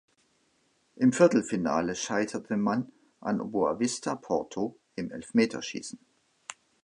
Im Viertelfinale scheiterte man an Boavista Porto im Elfmeterschießen.